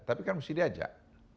tapi kan mesti diajak